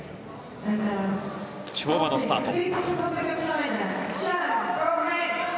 跳馬のスタート。